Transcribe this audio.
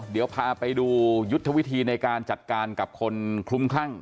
เดี๋ยวพาไปดูยุทธวิธีในการจัดการกับคนคลุ้มคลั่ง